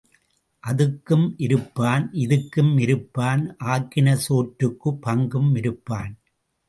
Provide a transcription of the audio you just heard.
அதுக்கும் இருப்பான், இதுக்கும் இருப்பான், ஆக்கின சோற்றுக்குப் பங்கும் இருப்பான்.